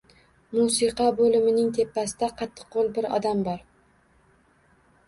Musiqa bo‘limining tepasida qattiqqo‘l bir odam bor.